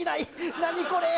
何これ？